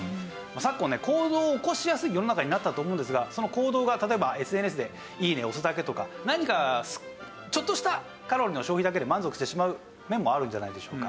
昨今ね行動を起こしやすい世の中になったと思うんですがその行動が例えばＳＮＳで「いいね！」を押すだけとか何かちょっとしたカロリーの消費だけで満足してしまう面もあるんじゃないでしょうか。